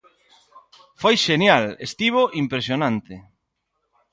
Foi xenial, estivo impresionante.